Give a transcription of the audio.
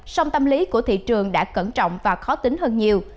song tâm lý của thị trường đã cẩn trọng và khó tính hơn nhiều